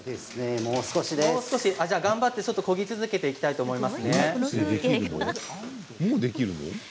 頑張ってこぎ続けていきたいと思います。